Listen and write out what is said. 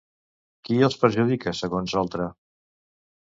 Qui els perjudica, segons Oltra?